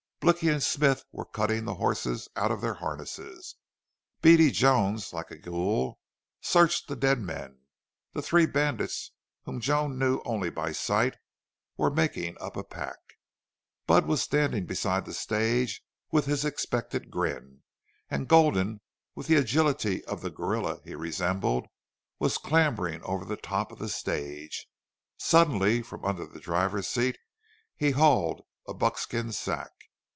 Blicky and Smith were cutting the horses out of their harness: Beady Jones, like a ghoul, searched the dead men; the three bandits whom Joan knew only by sight were making up a pack; Budd was standing beside the stage with his, expectant grin; and Gulden, with the agility of the gorilla he resembled, was clambering over the top of the stage. Suddenly from under the driver's seat he hauled a buckskin sack.